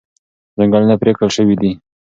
ځنګلونه پرې کړل شوي دي.